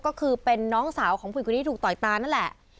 ก็คือเป็นน้องสาวของผู้หญิงคนนี้ถูกต่อยตานั่นแหละ